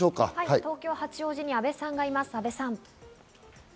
東京・八王子に阿部さんがいます、阿部さん！